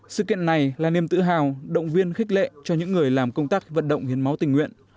sự kiện này là niềm tự hào động viên khích lệ cho những người làm công tác vận động hiến máu tình nguyện